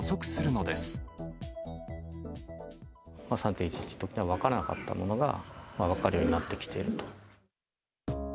３・１１のときには分からなかったものが分かるようになってきていると。